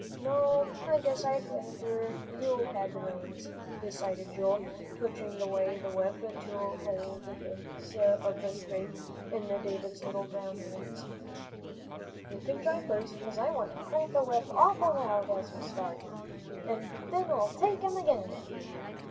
"No, I guess I'd rather you had the reins," decided Joel, twitching away the whip to lay the bits of string in David's little brown hands. "You can drive first, 'cause I want to crack the whip awful loud as we start. And then I'll take 'em again."